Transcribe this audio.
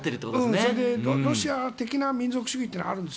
ロシア的な民族主義というのはあるんです。